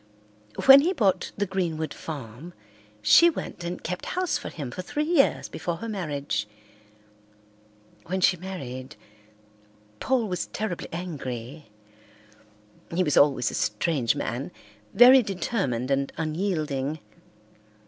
When he bought the Greenwood farm she went and kept house for him for three years before her marriage. When she married, Paul was terribly angry. He was always a strange man, very determined and unyielding.